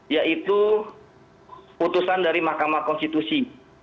yaitu putusan dari mahkamah konstitusi